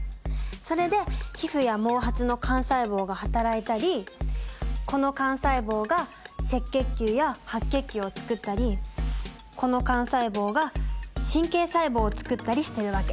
それで皮膚や毛髪の幹細胞がはたらいたりこの幹細胞が赤血球や白血球をつくったりこの幹細胞が神経細胞をつくったりしてるわけ。